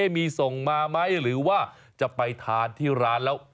มีส่งมาไหมหรือว่าจะไปทานที่ร้านแล้ว